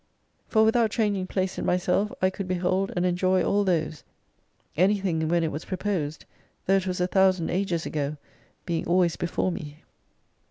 For without changing place in myself I could be hold and enjoy all those : Anything when it was pro posed, though it was a thousand ages ago, being always before me.